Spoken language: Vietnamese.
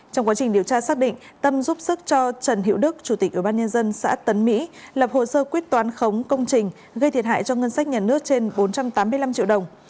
trong quá trình điều tra xác định tâm giúp sức cho trần hiệu đức chủ tịch ubnd xã tấn mỹ lập hồ sơ quyết toán khống công trình gây thiệt hại cho ngân sách nhà nước trên bốn trăm tám mươi năm triệu đồng